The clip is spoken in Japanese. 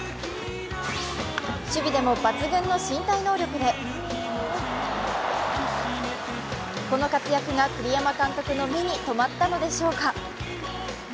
守備でも抜群の身体能力でこの活躍が栗山監督の目に止まったのでしょうか。